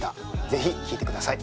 ぜひ聴いてください